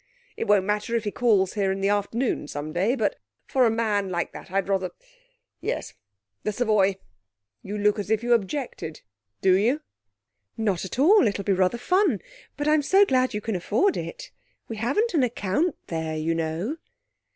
It won't matter if he calls here in the afternoon some day, but for a man like that, I'd rather yes the Savoy. You look as if you objected. Do you?' 'Not at all. It'll be rather fun. But I'm so glad you can afford it. We haven't an account there, you know.'